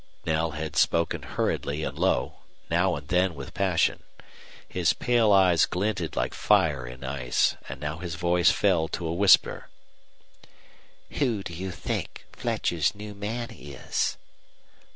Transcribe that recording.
Knell had spoken hurriedly and low, now and then with passion. His pale eyes glinted like fire in ice, and now his voice fell to a whisper. "Who do you think Fletcher's new man is?"